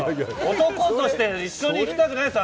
男として一緒に行きたくないですよ！